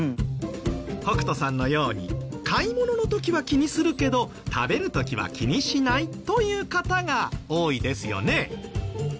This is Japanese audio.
北斗さんのように買い物の時は気にするけど食べる時は気にしないという方が多いですよね。